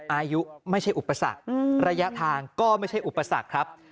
อายุไม่ใช่อุปสรรคระยะทางก็ไม่ใช่อุปสรรคครับ